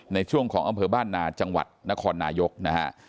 ในช่วงของอำเภอบ้านนาจังหวัดนครนายกนะฮะ